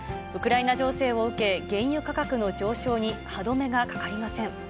ウクライナ情勢を受け、原油価格の上昇に歯止めがかかりません。